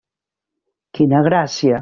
Quina gràcia!